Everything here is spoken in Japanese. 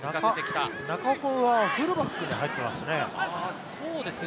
中尾君はフルバックに入っていますね。